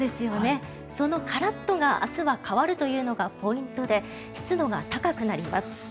そのカラッとが明日は変わるというのがポイントで湿度が高くなります。